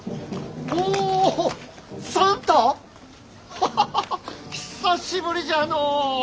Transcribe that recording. ハハハハッ久しぶりじゃのう！